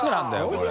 これ。